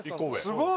すごい！